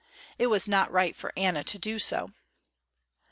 It was not right for Anna to do so.